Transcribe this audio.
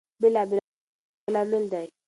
بېلابېل عوامل د ناخوښۍ لامل دي.